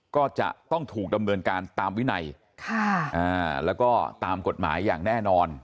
ก็จะต้องถูกดำเนินการตามวินัยแล้วก็ตามกฎหมายอย่างแน่นอน